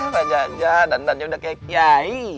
pak jaja dandannya udah kayak kiai